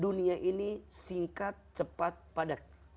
dunia ini singkat cepat padat